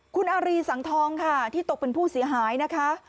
คุณอารีสังทองค่ะที่ตกเป็นผู้เสียหายนะคะ